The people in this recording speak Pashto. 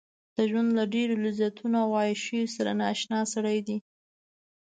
د ژوند له ډېرو لذتونو او عياشيو سره نااشنا سړی دی.